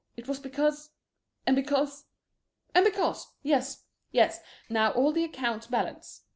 It was because and because and because! Yes, yes! Now all the accounts balance.